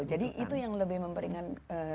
betul jadi itu yang lebih memperingatkan